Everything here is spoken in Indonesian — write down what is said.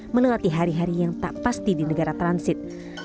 menelati hari hari yang tak pasti di negara transit